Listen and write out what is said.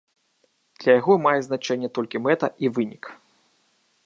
Для яго мае значэнне толькі мэта і вынік.